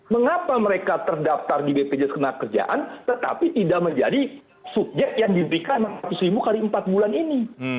mengapa mereka terdaftar di bpjs kena kerjaan tetapi tidak menjadi subjek yang diberikan rp seratus kali empat bulan ini